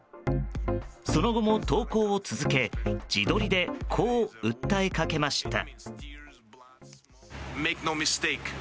その後も投稿を続け自撮りでこう訴えかけました。